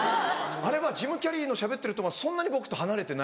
あれはジム・キャリーのしゃべってるのとそんなに僕と離れてない。